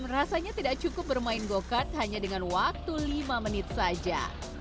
rasanya tidak cukup bermain go kart hanya dengan waktu lima menit saja